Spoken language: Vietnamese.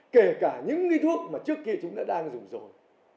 kể cả những thuốc mà trước kia chúng ta đang dùng rồi